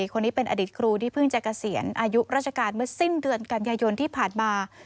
คนนี้เป็นอดีตครูที่เพิ่งจะเกษียณอายุราชการเมื่อสิ้นเดือนกันยายนที่ผ่านมา